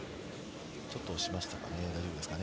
ちょっと押しましたかね。